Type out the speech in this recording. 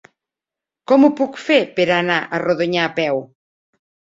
Com ho puc fer per anar a Rodonyà a peu?